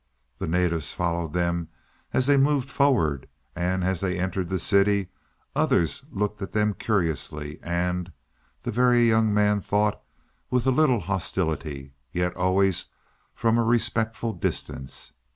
The natives followed them as they moved forward, and as they entered the city others looked at them curiously and, the Very Young Man thought, with a little hostility, yet always from a respectful distance.